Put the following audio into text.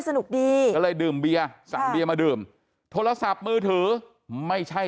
สนุกดีก็เลยดื่มเบียร์สั่งเบียร์มาดื่มโทรศัพท์มือถือไม่ใช่